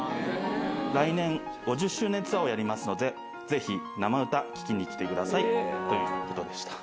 来年５０周年ツアーをやりますので、ぜひ、生歌、聴きに来てください、ということでした。